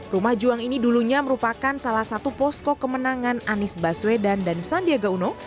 rumah juang ini dulunya merupakan salah satu posko kemenangan anies baswedan dan sandiaga uno